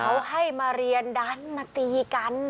เขาให้มาเรียนดันมาตีกัน